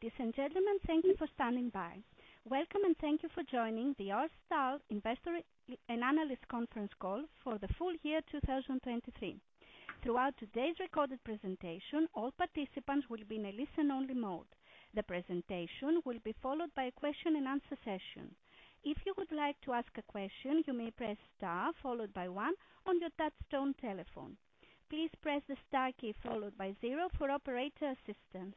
Ladies and gentlemen, thank you for standing by. Welcome, and thank you for joining the R. STAHL Investor and Analyst Conference call for the full year 2023. Throughout today's recorded presentation, all participants will be in a listen-only mode. The presentation will be followed by a question-and-answer session. If you would like to ask a question, you may press star followed by one on your touch-tone telephone. Please press the star key followed by zero for operator assistance.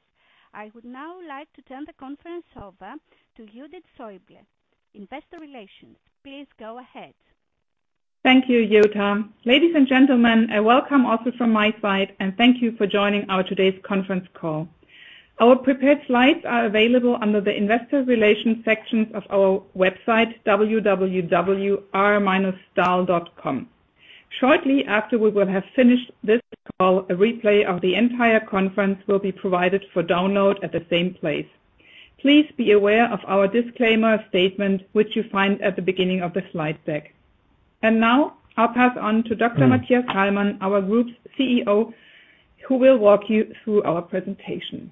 I would now like to turn the conference over to Judith Schäuble, Investor Relations. Please go ahead. Thank you, Judith. Ladies and gentlemen, a welcome also from my side, and thank you for joining our today's conference call. Our prepared slides are available under the Investor Relations sections of our website, www.r-stahl.com. Shortly after we will have finished this call, a replay of the entire conference will be provided for download at the same place. Please be aware of our disclaimer statement, which you find at the beginning of the slide deck. Now I'll pass on to Dr. Mathias Hallmann, our group's CEO, who will walk you through our presentation.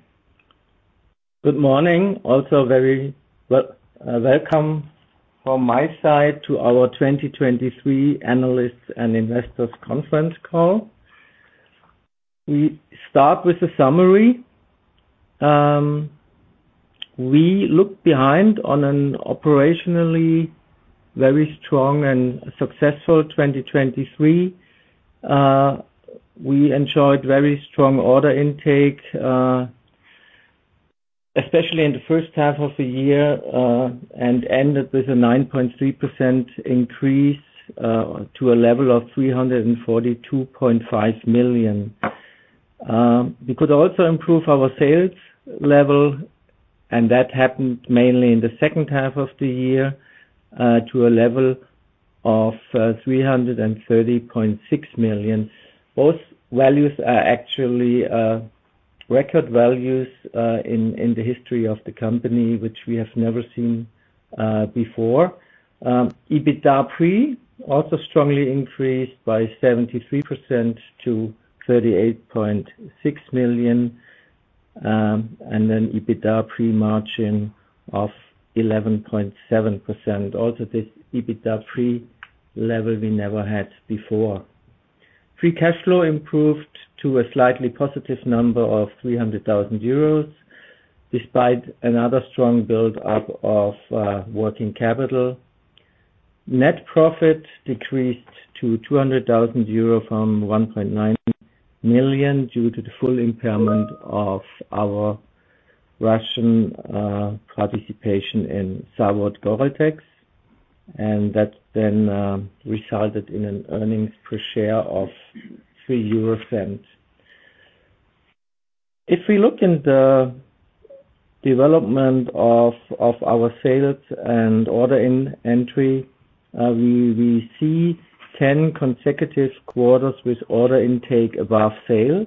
Good morning. Also very welcome from my side to our 2023 Analysts and Investors Conference call. We start with a summary. We looked behind on an operationally very strong and successful 2023. We enjoyed very strong order intake, especially in the first half of the year, and ended with a 9.3% increase to a level of 342.5 million. We could also improve our sales level, and that happened mainly in the second half of the year to a level of 330.6 million. Both values are actually record values in the history of the company, which we have never seen before. EBITDA pre also strongly increased by 73% to 38.6 million, and then EBITDA pre margin of 11.7%. Also, this EBITDA pre level we never had before. Free cash flow improved to a slightly positive number of 300,000 euros despite another strong buildup of working capital. Net profit decreased to 200,000 euro from 1.9 million due to the full impairment of our Russian participation in ZAVOD GORELTEX, and that then resulted in an earnings per share of 3.00 euro. If we look in the development of our sales and order entry, we see 10 consecutive quarters with order intake above sales,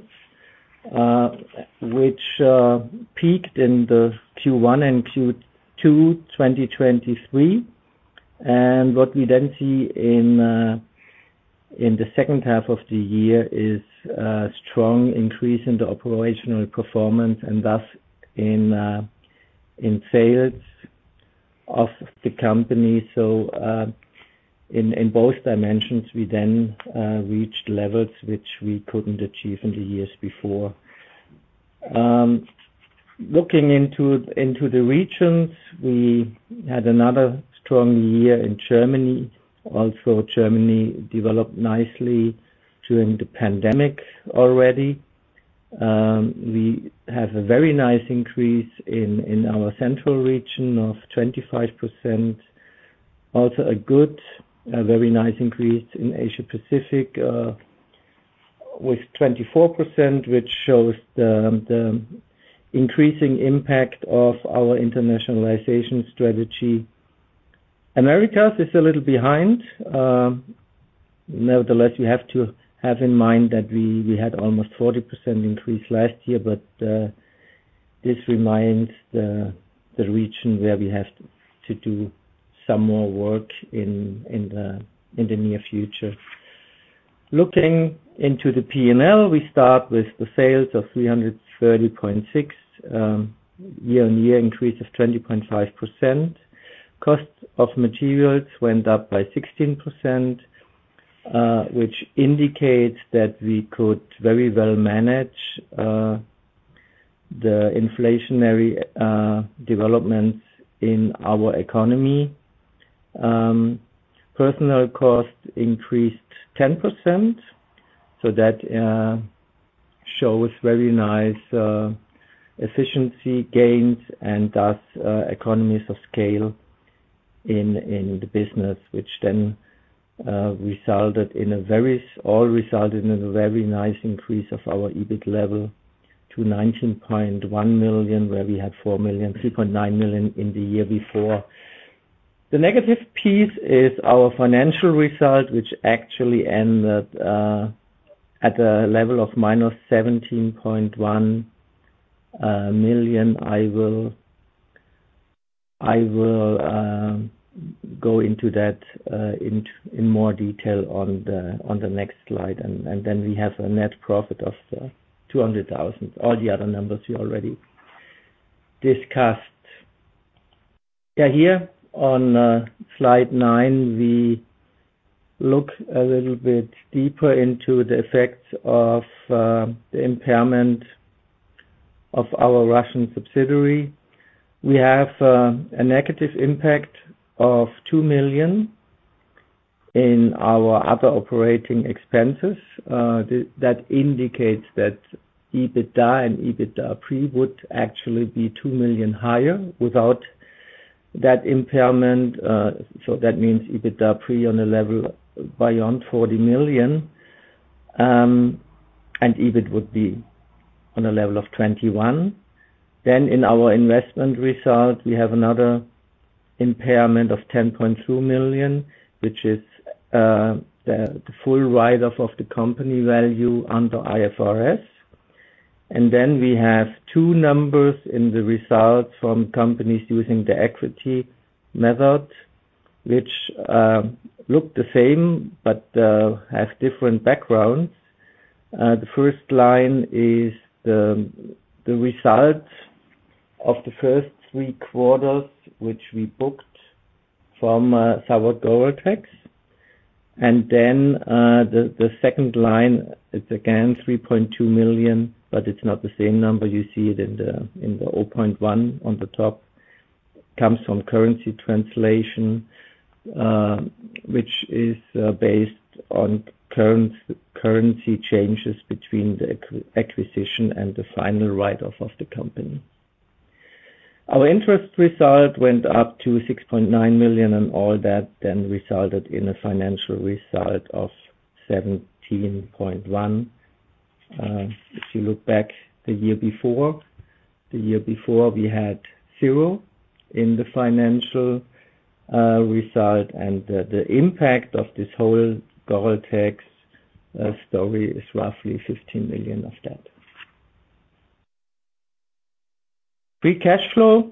which peaked in Q1 and Q2 2023. And what we then see in the second half of the year is a strong increase in the operational performance and thus in sales of the company. So in both dimensions, we then reached levels which we couldn't achieve in the years before. Looking into the regions, we had another strong year in Germany. Also, Germany developed nicely during the pandemic already. We have a very nice increase in our central region of 25%. Also, a very nice increase in Asia-Pacific with 24%, which shows the increasing impact of our internationalization strategy. America is a little behind. Nevertheless, we have to have in mind that we had almost 40% increase last year, but this reminds the region where we have to do some more work in the near future. Looking into the P&L, we start with the sales of 330.6 million, year-on-year increase of 20.5%. Cost of materials went up by 16%, which indicates that we could very well manage the inflationary developments in our economy. Personnel cost increased 10%, so that shows very nice efficiency gains and thus economies of scale in the business, which then resulted in a very nice increase of our EBIT level to 19.1 million, where we had 3.9 million in the year before. The negative piece is our financial result, which actually ended at a level of -17.1 million. I will go into that in more detail on the next slide. Then we have a net profit of 200,000, all the other numbers we already discussed. Yeah, here on slide nine, we look a little bit deeper into the effects of the impairment of our Russian subsidiary. We have a negative impact of 2 million in our other operating expenses. That indicates that EBITDA and EBITDA pre would actually be 2 million higher without that impairment. So that means EBITDA pre on a level beyond 40 million, and EBIT would be on a level of 21. Then in our investment result, we have another impairment of 10.2 million, which is the full write-off of the company value under IFRS. And then we have two numbers in the results from companies using the equity method, which look the same but have different backgrounds. The first line is the result of the first three quarters, which we booked from ZAVOD GORELTEX. And then the second line, it's again 3.2 million, but it's not the same number. You see it in the 0.1 on the top. It comes from currency translation, which is based on currency changes between the acquisition and the final write-off of the company. Our interest result went up to 6.9 million, and all that then resulted in a financial result of 17.1 million. If you look back the year before, the year before, we had 0 in the financial result, and the impact of this whole GORELTEX story is roughly 15 million of that. Free cash flow,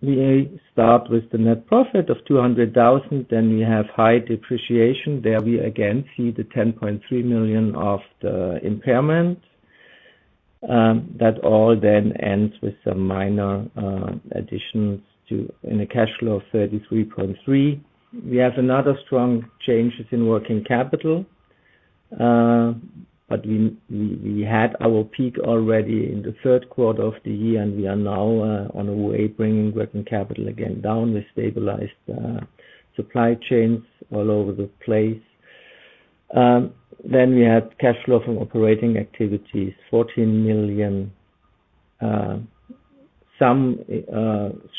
we start with the net profit of 200,000. Then we have high depreciation. There we again see the 10.3 million of the impairment. That all then ends with some minor additions in a cash flow of 33.3 million. We have another strong changes in working capital, but we had our peak already in the third quarter of the year, and we are now on our way bringing working capital again down. We stabilized supply chains all over the place. Then we had cash flow from operating activities, 14 million. Some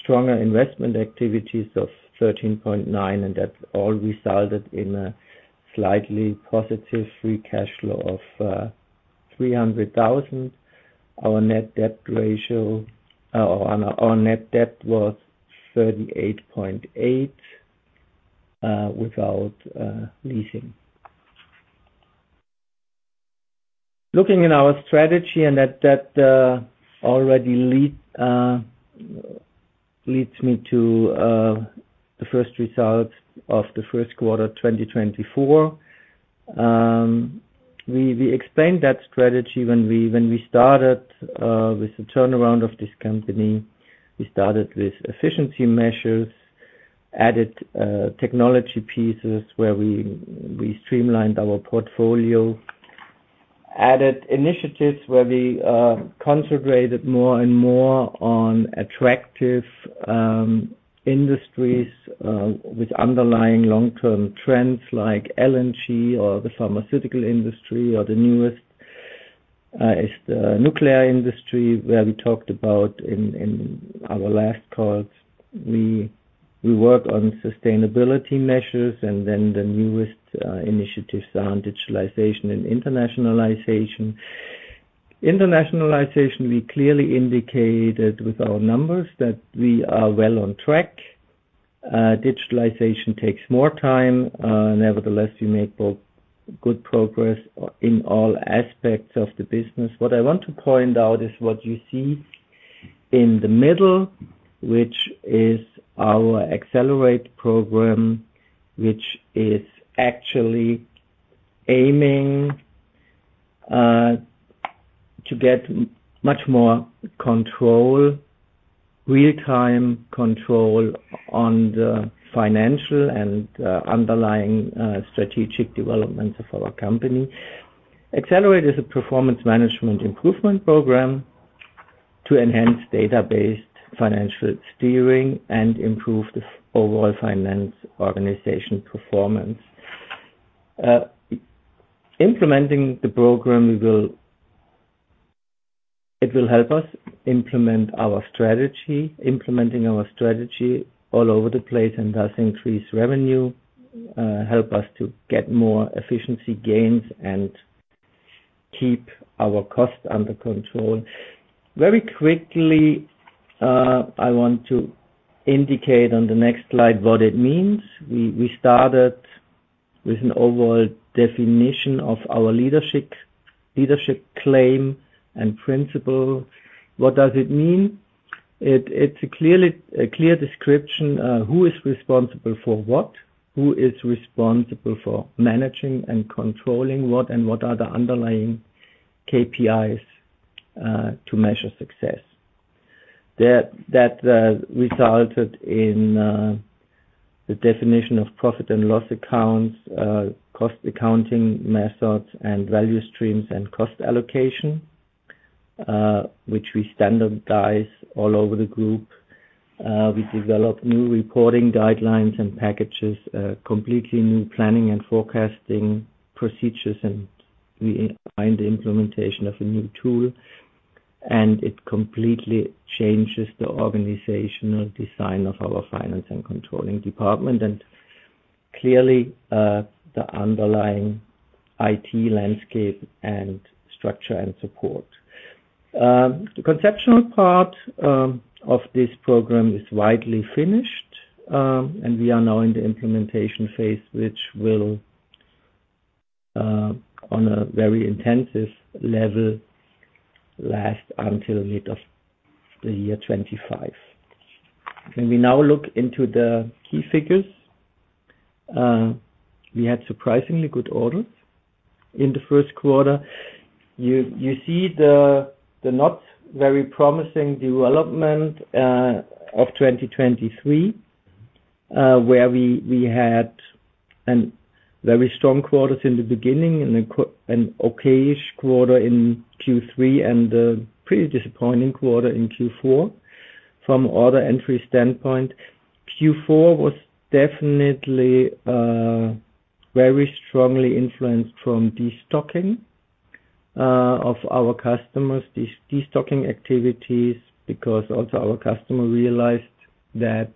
stronger investment activities of 13.9 million, and that all resulted in a slightly positive free cash flow of 300,000. Our net debt ratio our net debt was 38.8 without leasing. Looking in our strategy, and that already leads me to the first results of the first quarter 2024. We explained that strategy when we started with the turnaround of this company. We started with efficiency measures, added technology pieces where we streamlined our portfolio, added initiatives where we concentrated more and more on attractive industries with underlying long-term trends like LNG or the pharmaceutical industry, or the newest is the nuclear industry where we talked about in our last calls. We work on sustainability measures, and then the newest initiatives are on digitalization and internationalization. Internationalization, we clearly indicated with our numbers that we are well on track. Digitalization takes more time. Nevertheless, we make good progress in all aspects of the business. What I want to point out is what you see in the middle, which is our Accelerate program, which is actually aiming to get much more control, real-time control on the financial and underlying strategic developments of our company. Accelerate is a performance management improvement program to enhance data-based financial steering and improve the overall finance organization performance. Implementing the program, it will help us implement our strategy, implementing our strategy all over the place and thus increase revenue, help us to get more efficiency gains and keep our cost under control. Very quickly, I want to indicate on the next slide what it means. We started with an overall definition of our leadership claim and principle. What does it mean? It's a clear description of who is responsible for what, who is responsible for managing and controlling what, and what are the underlying KPIs to measure success. That resulted in the definition of profit and loss accounts, cost accounting methods, and value streams and cost allocation, which we standardize all over the group. We developed new reporting guidelines and packages, completely new planning and forecasting procedures, and we find the implementation of a new tool, and it completely changes the organizational design of our finance and controlling department and clearly the underlying IT landscape and structure and support. The conceptual part of this program is widely finished, and we are now in the implementation phase, which will, on a very intensive level, last until mid of the year 2025. When we now look into the key figures, we had surprisingly good orders in the first quarter. You see the not very promising development of 2023, where we had very strong quarters in the beginning, an okay quarter in Q3, and a pretty disappointing quarter in Q4 from order entry standpoint. Q4 was definitely very strongly influenced from destocking of our customers, destocking activities, because also our customer realized that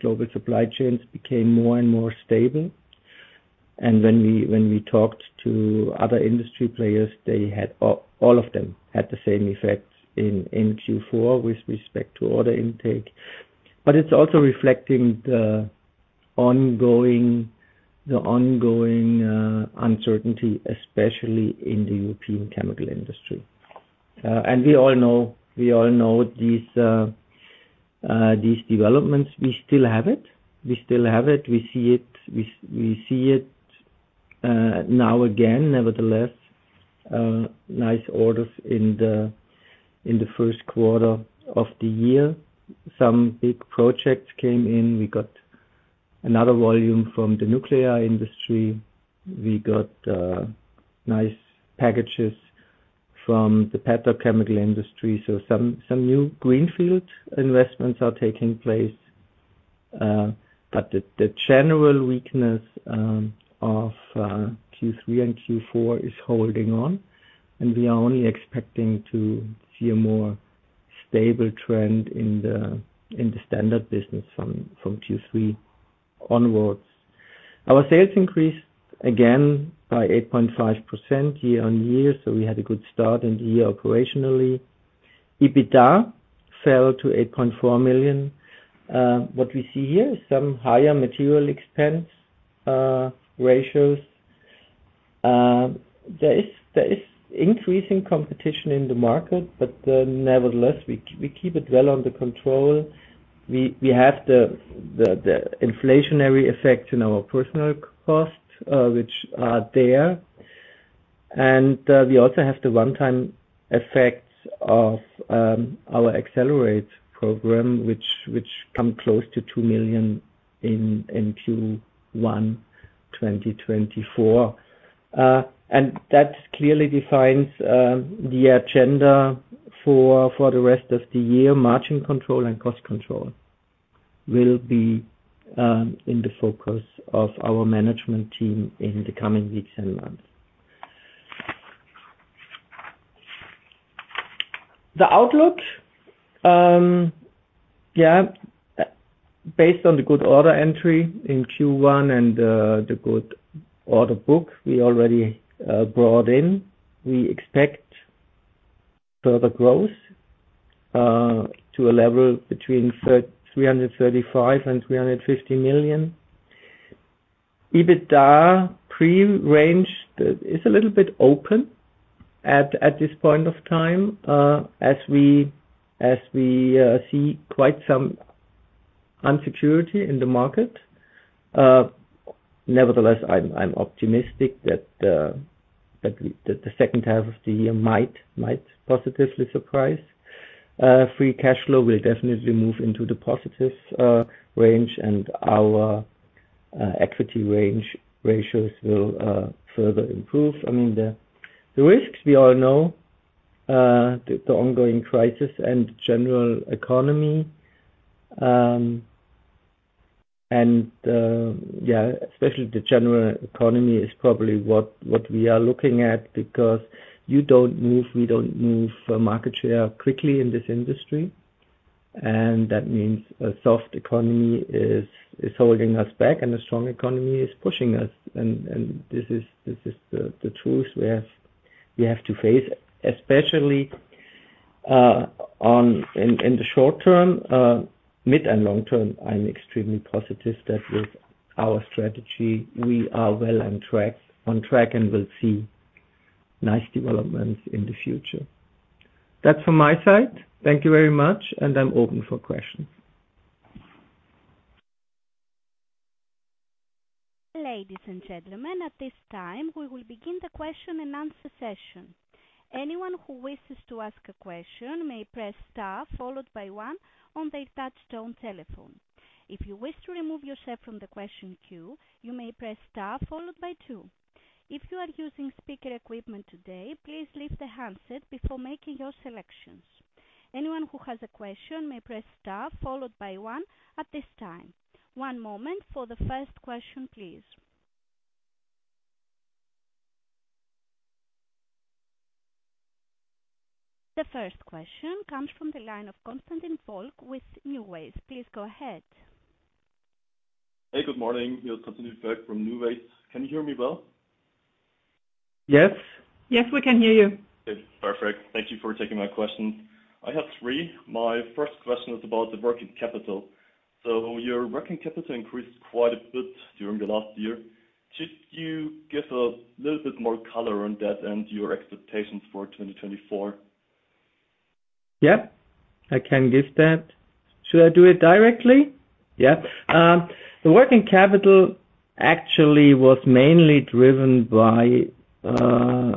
global supply chains became more and more stable. When we talked to other industry players, all of them had the same effect in Q4 with respect to order intake. But it's also reflecting the ongoing uncertainty, especially in the European chemical industry. We all know these developments. We still have it. We still have it. We see it now again. Nevertheless, nice orders in the first quarter of the year. Some big projects came in. We got another volume from the nuclear industry. We got nice packages from the petrochemical industry. Some new greenfield investments are taking place. The general weakness of Q3 and Q4 is holding on, and we are only expecting to see a more stable trend in the standard business from Q3 onwards. Our sales increased again by 8.5% year-over-year, so we had a good start in the year operationally. EBITDA fell to 8.4 million. What we see here is some higher material expense ratios. There is increasing competition in the market, but nevertheless, we keep it well under control. We have the inflationary effects in our personal costs, which are there. And we also have the one-time effects of our Accelerate program, which come close to 2 million in Q1 2024. And that clearly defines the agenda for the rest of the year. Margin control and cost control will be in the focus of our management team in the coming weeks and months. The outlook, yeah, based on the good order entry in Q1 and the good order book we already brought in, we expect further growth to a level between 335 million and 350 million. EBITDA pre-range is a little bit open at this point of time as we see quite some uncertainty in the market. Nevertheless, I'm optimistic that the second half of the year might positively surprise. Free cash flow will definitely move into the positive range, and our equity ratios will further improve. I mean, the risks we all know, the ongoing crisis and general economy, and yeah, especially the general economy is probably what we are looking at because you don't move, we don't move market share quickly in this industry. And that means a soft economy is holding us back, and a strong economy is pushing us. And this is the truth we have to face, especially in the short term. Mid and long term, I'm extremely positive that with our strategy, we are well on track and will see nice developments in the future. That's from my side. Thank you very much, and I'm open for questions. Ladies and gentlemen, at this time, we will begin the question and answer session. Anyone who wishes to ask a question may press star followed by one on their touch-tone telephone. If you wish to remove yourself from the question queue, you may press star followed by two. If you are using speaker equipment today, please lift the handset before making your selections. Anyone who has a question may press star followed by one at this time. One moment for the first question, please. The first question comes from the line of Konstantin Völk with NuWays. Please go ahead. Hey, good morning. Here's Konstantin Völk from NuWays. Can you hear me well? Yes. Yes, we can hear you. Okay. Perfect. Thank you for taking my questions. I have three. My first question is about the working capital. So your working capital increased quite a bit during the last year. Could you give a little bit more color on that and your expectations for 2024? Yep, I can give that. Should I do it directly? Yep. The working capital actually was mainly driven by a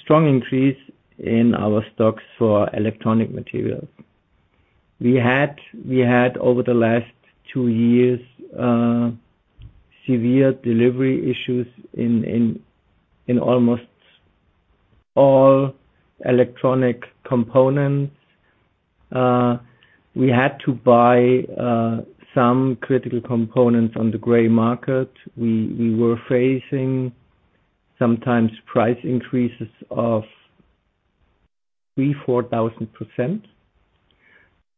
strong increase in our stocks for electronic materials. We had, over the last two years, severe delivery issues in almost all electronic components. We had to buy some critical components on the gray market. We were facing sometimes price increases of 3,000%-4,000%.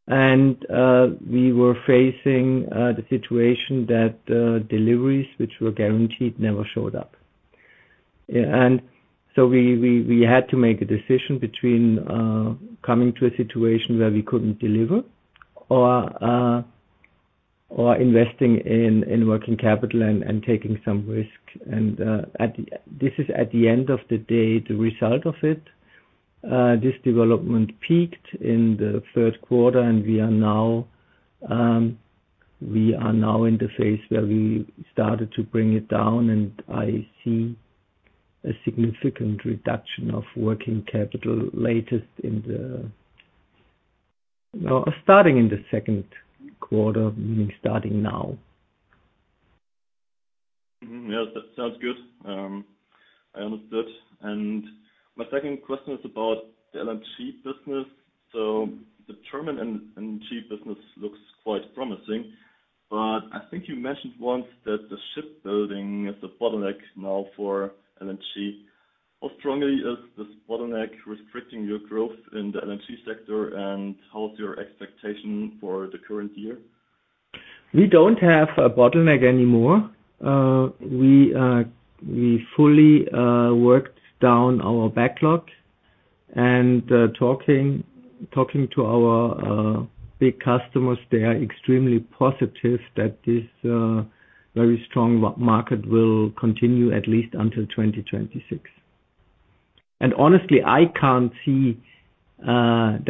And we were facing the situation that deliveries, which were guaranteed, never showed up. And so we had to make a decision between coming to a situation where we couldn't deliver or investing in working capital and taking some risk. And this is, at the end of the day, the result of it. This development peaked in the third quarter, and we are now in the phase where we started to bring it down, and I see a significant reduction of working capital latest in the starting in the second quarter, meaning starting now. Yes, that sounds good. I understood. And my second question is about the LNG business. So the German LNG business looks quite promising, but I think you mentioned once that the shipbuilding is a bottleneck now for LNG. How strongly is this bottleneck restricting your growth in the LNG sector, and how is your expectation for the current year? We don't have a bottleneck anymore. We fully worked down our backlog. And talking to our big customers, they are extremely positive that this very strong market will continue at least until 2026. And honestly, I can't see that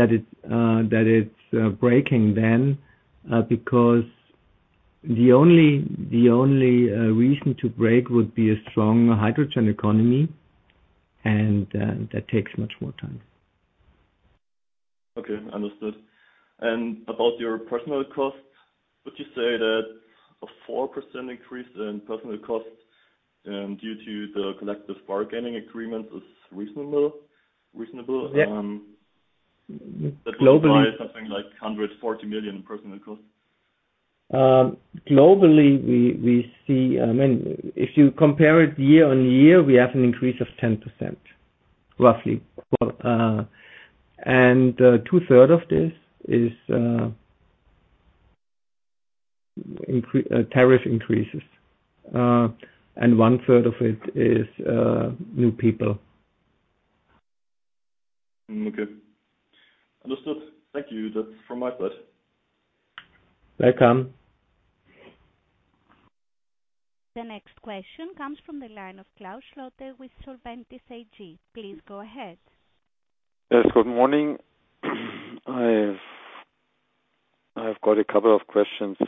it's breaking then because the only reason to break would be a strong hydrogen economy, and that takes much more time. Okay. Understood. And about your personal costs, would you say that a 4% increase in personal costs due to the collective bargaining agreements is reasonable? That would apply something like 140 million in personal costs. Globally, we see I mean, if you compare it year-on-year, we have an increase of 10%, roughly. And 2/3 of this is tariff increases, and 1/3 of it is new people. Okay. Understood. Thank you. That's from my side. Welcome. The next question comes from the line of Klaus Schlote with Solventis AG. Please go ahead. Yes, good morning. I've got a couple of questions.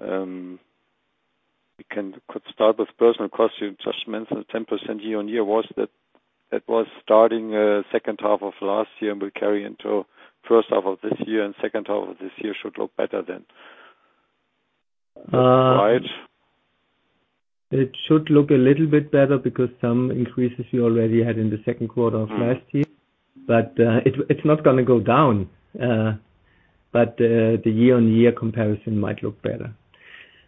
We could start with personal costs. You just mentioned 10% year-on-year. That was starting the second half of last year and will carry into first half of this year, and second half of this year should look better then, right? It should look a little bit better because some increases we already had in the second quarter of last year. But it's not going to go down. But the year-on-year comparison might look better.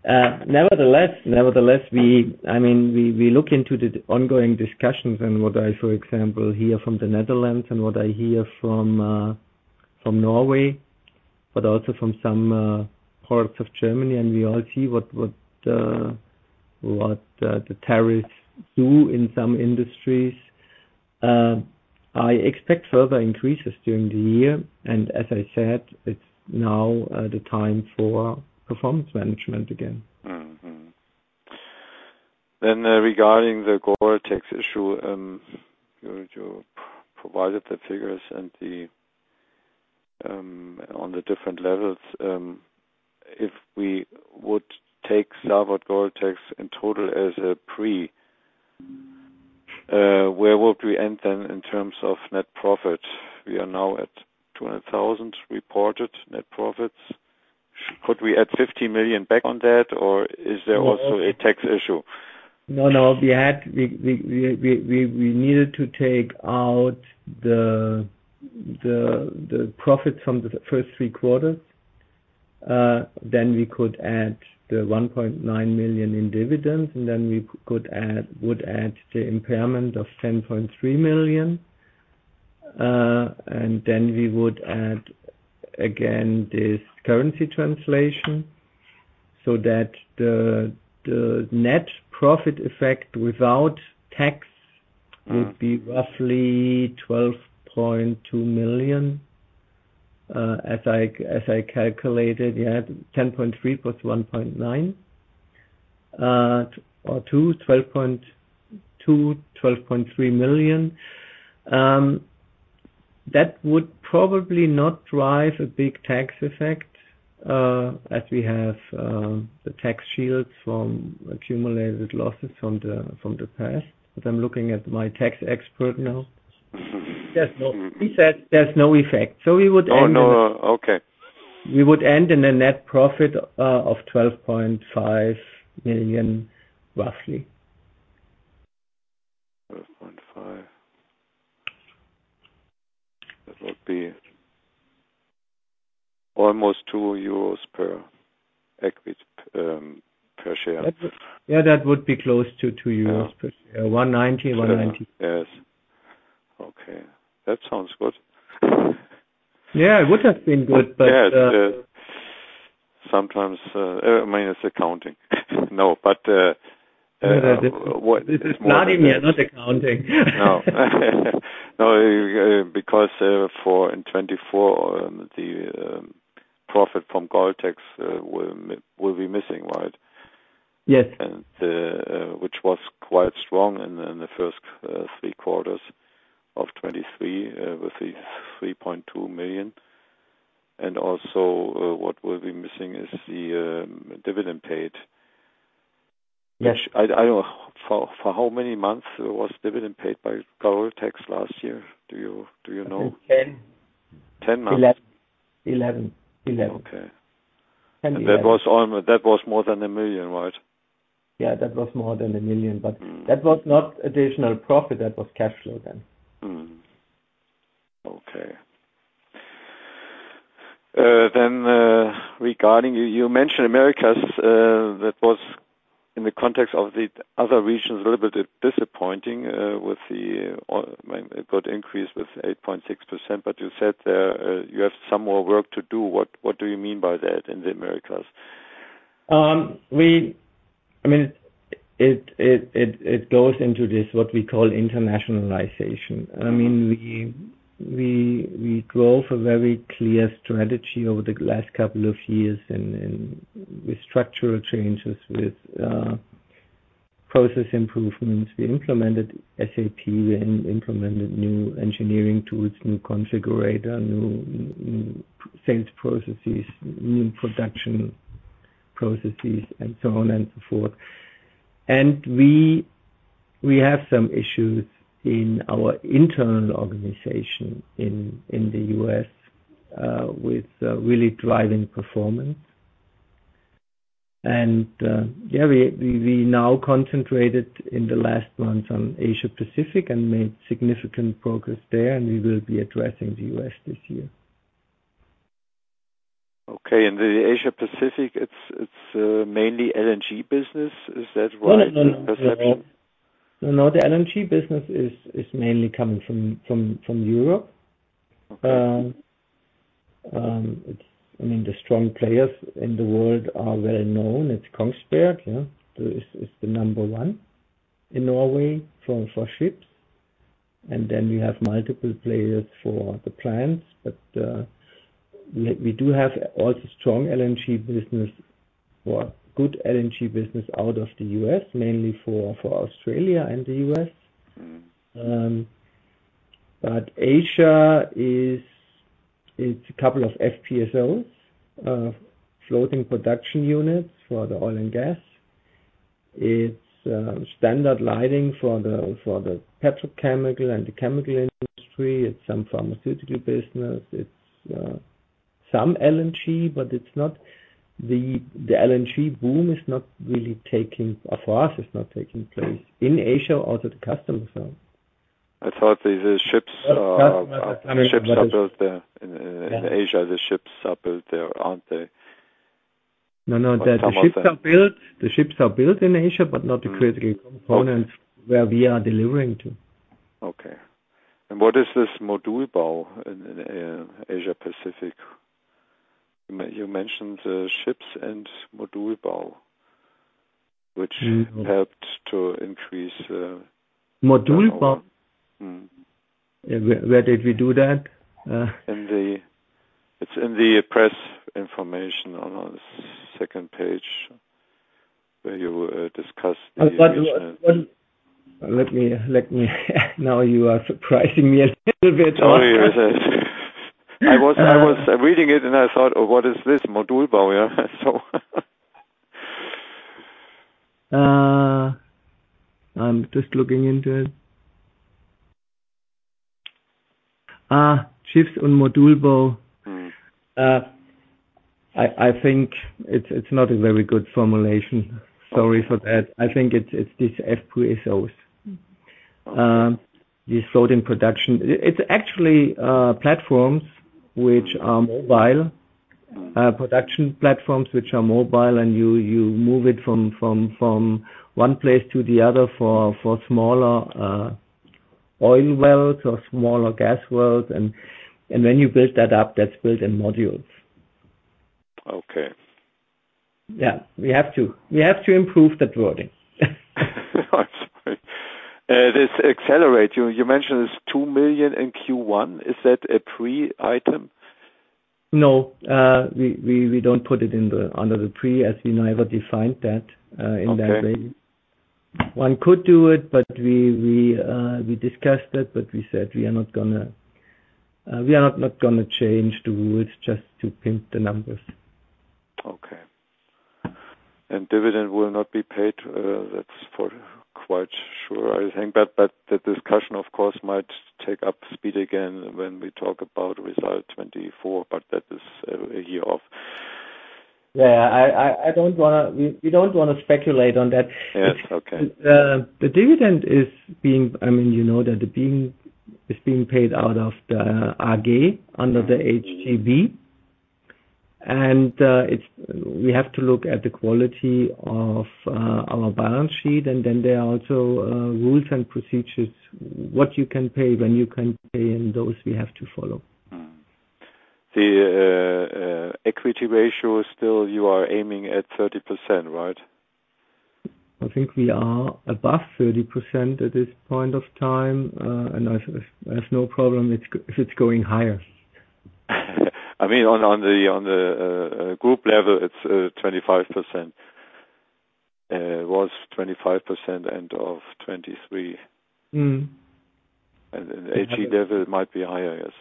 Nevertheless, I mean, we look into the ongoing discussions and what I, for example, hear from the Netherlands and what I hear from Norway, but also from some parts of Germany, and we all see what the tariffs do in some industries. I expect further increases during the year. And as I said, it's now the time for performance management again. Then regarding the Goreltex issue, you provided the figures on the different levels. If we would take ZAVOD GORELTEX in total as a pre, where would we end then in terms of net profit? We are now at 200,000 reported net profits. Could we add 50 million back on that, or is there also a tax issue? No, no. We needed to take out the profits from the first three quarters. Then we could add the 1.9 million in dividends, and then we would add the impairment of 10.3 million. And then we would add, again, this currency translation so that the net profit effect without tax would be roughly 12.2 million. As I calculated, yeah, 10.3 plus 1.9 or 2, 12.2, 12.3 million. That would probably not drive a big tax effect as we have the tax shields from accumulated losses from the past. But I'm looking at my tax expert now. Yes, no. He said there's no effect. So we would end in a net profit of 12.5 million, roughly. 12.5. That would be almost 2 euros per share. Yeah, that would be close to 2 euros per share. 190, 190. Yes. Okay. That sounds good. Yeah, it would have been good, but. Yeah, sometimes I mean, it's accounting. No, but it's more. Vladimir, not accounting. No. No, because in 2024, the profit from Gore-Tex will be missing, right? And which was quite strong in the first three quarters of 2023 with the 3.2 million. And also what will be missing is the dividend paid. For how many months was dividend paid by Gore-Tex last year? Do you know? 10. 10 months. 11. 11. 10, 11. That was more than a million, right? Yeah, that was more than 1 million. But that was not additional profit. That was cash flow then. Okay. Then, regarding you mentioned Americas. That was, in the context of the other regions, a little bit disappointing with the good increase with 8.6%. But you said you have some more work to do. What do you mean by that in the Americas? I mean, it goes into this what we call internationalization. I mean, we drove a very clear strategy over the last couple of years with structural changes, with process improvements. We implemented SAP. We implemented new engineering tools, new configurator, new sales processes, new production processes, and so on and so forth. And we have some issues in our internal organization in the U.S. with really driving performance. And yeah, we now concentrated in the last months on Asia-Pacific and made significant progress there, and we will be addressing the U.S. this year. Okay. And the Asia-Pacific, it's mainly LNG business. Is that right perception? No, no, no, no. No, no. The LNG business is mainly coming from Europe. I mean, the strong players in the world are well known. It's Kongsberg. It's the number one in Norway for ships. And then we have multiple players for the plants. But we do have also strong LNG business or good LNG business out of the US, mainly for Australia and the US. But Asia, it's a couple of FPSOs, floating production units for the oil and gas. It's standard lighting for the petrochemical and the chemical industry. It's some pharmaceutical business. It's some LNG, but the LNG boom is not really taking for us, it's not taking place in Asia or to the customers, though. I thought these ships are built there. In Asia, the ships are built there, aren't they? No, no. The ships are built in Asia, but not the critical components where we are delivering to. Okay. And what is this Modulbau in Asia-Pacific? You mentioned ships and Modulbau, which helped to increase Modulbau. Where did we do that? It's in the press information on the second page where you discuss the issues. Let me let you, you are surprising me a little bit, also. Sorry. I was reading it, and I thought, "Oh, what is this? Modulbau, yeah?" I'm just looking into it. Ships on Modulbau. I think it's not a very good formulation. Sorry for that. I think it's these FPSOs, these floating production. It's actually platforms which are mobile, production platforms which are mobile, and you move it from one place to the other for smaller oil wells or smaller gas wells. And when you build that up, that's built in modules. Yeah, we have to improve that wording. I'm sorry. This Accelerate, you mentioned it's 2 million in Q1. Is that a pre-item? No, we don't put it under the pre as we never defined that in that way. One could do it, but we discussed it, but we said we are not going to change the rules just to pimp the numbers. Okay. And dividend will not be paid. That's quite sure, I think. But the discussion, of course, might take up speed again when we talk about result 2024, but that is a year off. Yeah, yeah. I don't want to, we don't want to speculate on that. The dividend is being—I mean, you know that it's being paid out of the AG under the HGB. We have to look at the quality of our balance sheet, and then there are also rules and procedures, what you can pay, when you can pay, and those we have to follow. The equity ratio still, you are aiming at 30%, right? I think we are above 30% at this point of time. And I have no problem if it's going higher. I mean, on the group level, it's 25%. It was 25% end of 2023. And the HGB level might be higher, yes.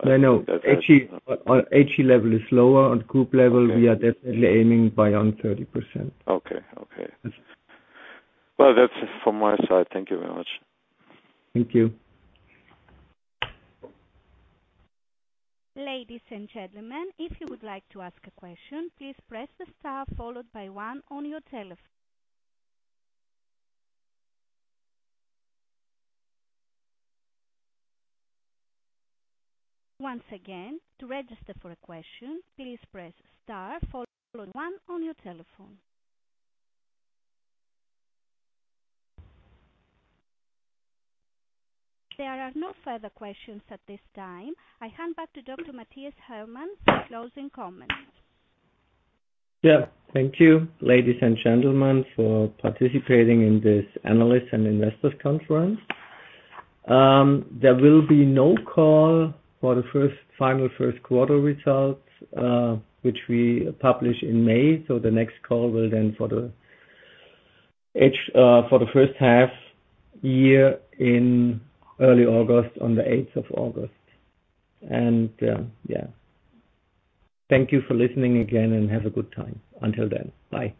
I think that's right. No, no. HGB level is lower. On group level, we are definitely aiming beyond 30%. Okay. Okay. Well, that's it from my side. Thank you very much. Thank you. Ladies and gentlemen, if you would like to ask a question, please press the star followed by one on your telephone. Once again, to register for a question, please press star followed by one on your telephone. There are no further questions at this time. I hand back to Dr. Mathias Hallmann for closing comments. Yeah. Thank you, ladies and gentlemen, for participating in this analysts and investors conference. There will be no call for the final first quarter results, which we publish in May. So the next call will then for the first half year in early August on the 8th of August. And yeah, thank you for listening again and have a good time. Until then, bye.